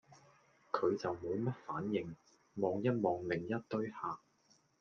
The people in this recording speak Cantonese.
佢就無乜反應，望一望另一堆客